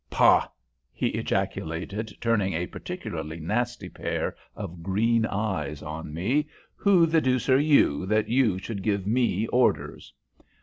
"Pah!" he ejaculated, turning a particularly nasty pair of green eyes on me. "Who the deuce are you, that you should give me orders?"